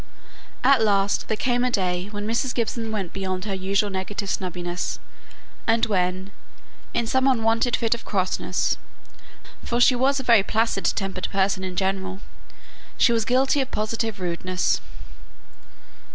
At last there came a day when Mrs. Gibson went beyond her usual negative snubbiness, and when, in some unwonted fit of crossness, for she was a very placid tempered person in general, she was guilty of positive rudeness.